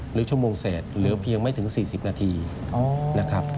หรือชั่วโมงเศษเหลือเพียงไม่ถึง๔๐นาทีนะครับ